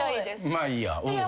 まあいいや。